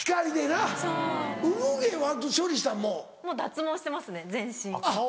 もう脱毛してますね全身。